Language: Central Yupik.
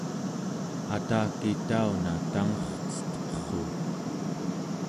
ataki tauna tangercetqerru